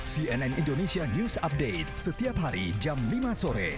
cnn indonesia news update setiap hari jam lima sore